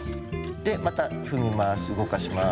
でまた踏みます。